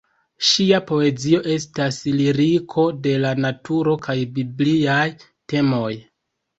Ŝia poezio estas liriko de la naturo kaj bibliaj temoj.